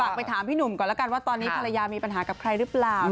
ไปถามพี่หนุ่มก่อนแล้วกันว่าตอนนี้ภรรยามีปัญหากับใครหรือเปล่า